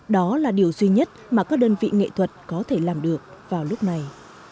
đó là điều duy nhất mà các đơn vị nghệ thuật có thể làm được vào lúc này